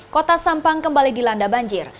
kota sampang kembali dilanda banjir